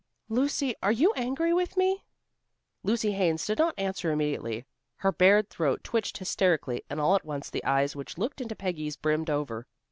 "Lucy, are you angry with me?" Lucy Haines did not answer immediately. Her bared throat twitched hysterically and all at once the eyes which looked into Peggy's brimmed over.